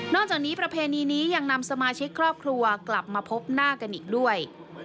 จากนี้ประเพณีนี้ยังนำสมาชิกครอบครัวกลับมาพบหน้ากันอีกด้วย